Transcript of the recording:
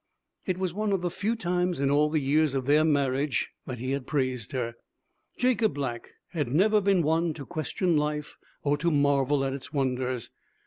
It was one of the few times in all the years of their marriage that he had praised her. Jacob Black had never been one to question life or to marvel at its wonders.